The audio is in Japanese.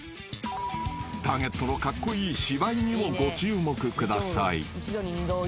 ［ターゲットのカッコイイ芝居にもご注目ください］用意。